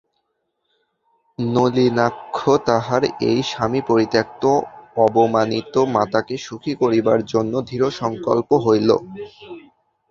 নলিনাক্ষ তাহার এই স্বামীপরিত্যক্ত অবমানিত মাতাকে সুখী করিবার জন্য দৃঢ়সংকল্প হইল।